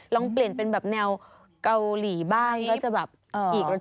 ลองเปลี่ยนเป็นแนวเกาหลีบ้างก็จะอีกรสชาติหนึ่ง